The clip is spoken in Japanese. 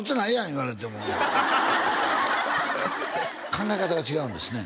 言われてもう考え方が違うんですね